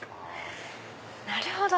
なるほど！